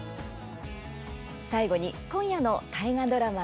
最後に今夜の大河ドラマ